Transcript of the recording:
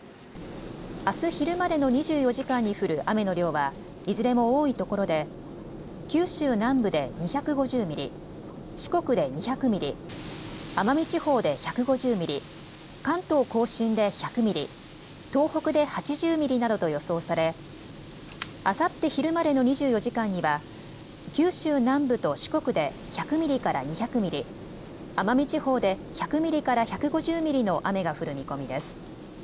あす昼までの２４時間時間に降る雨の量はいずれも多いところで九州南部で２５０ミリ、四国で２００ミリ、奄美地方で１５０ミリ、関東甲信で１００ミリ、東北で８０ミリなどと予想されあさって昼までの２４時間には九州南部と四国で１００ミリから２００ミリ、奄美地方で１００ミリから１５０ミリの雨が降る見込みです。